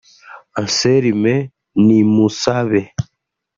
Anselme Nimusabe